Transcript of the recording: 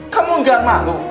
kamu gak malu